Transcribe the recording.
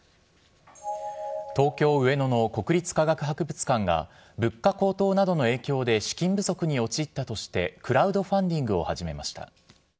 東京・上野の国立科学博物館が、物価高騰などの影響で資金不足に陥ったとして、クラウドファンディングを始めました。